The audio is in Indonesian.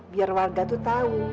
biar warga tuh tau